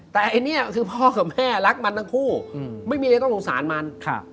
แต่ไอ้เนี่ยคือพ่อกับแม่รักมันทั้งคู่ไม่มีอะไรต้องสงสารมัน